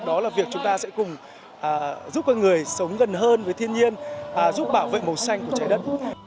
đó là việc chúng ta sẽ cùng giúp con người sống gần hơn với thiên nhiên giúp bảo vệ màu xanh của trái đất